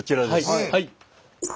はい。